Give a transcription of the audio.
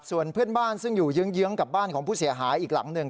ส่วนเพื่อนบ้านซึ่งอยู่เยื้องกับบ้านของผู้เสียหายอีกหลังหนึ่ง